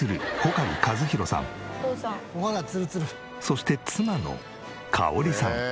そして妻のかおりさん。